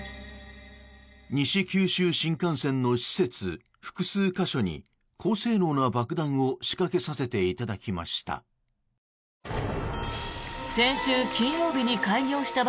西九州新幹線の施設複数箇所に高性能な爆弾を仕掛けさせていただきました。